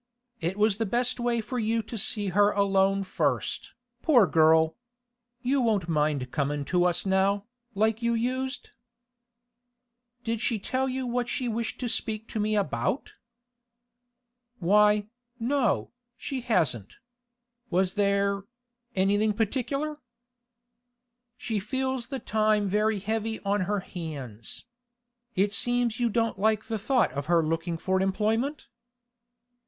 It was the best way for you to see her alone first, poor girl! You won't mind comin' to us now, like you used?' 'Did she tell you what she wished to speak to me about?' 'Why, no, she hasn't. Was there—anything particular?' 'She feels the time very heavy on her hands. It seems you don't like the thought of her looking for employment?